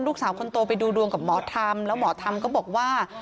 ลูกสาวคนโตไปดูดวงกับหมอธรรมแล้วหมอธรรมก็บอกว่า